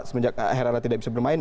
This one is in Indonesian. sebenarnya herrera tidak bisa bermain